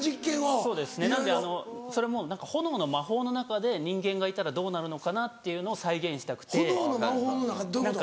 そうですねなのでそれも炎の魔法の中で人間がいたらどうなるのかなっていうのを再現したくて。炎の魔法の中ってどういうこと？